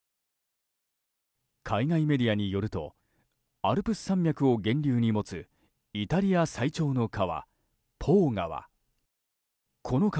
海外メディアによるとアルプス山脈を源流に持つイタリア最長の川、ポー川。